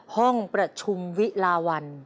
ห้องประชุมวิลาวัน